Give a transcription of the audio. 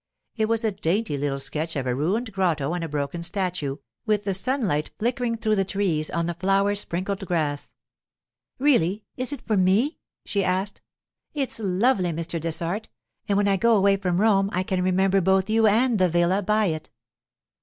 It was a dainty little sketch of a ruined grotto and a broken statue, with the sunlight flickering through the trees on the flower sprinkled grass. 'Really, is it for me?' she asked. 'It's lovely, Mr. Dessart; and when I go away from Rome I can remember both you and the villa by it.